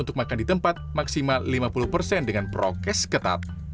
untuk makan di tempat maksimal lima puluh persen dengan prokes ketat